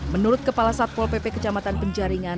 menurut kepala satpol pp kecamatan penjaringan